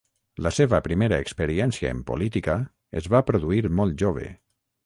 La seva primera experiència en política es va produir molt jove.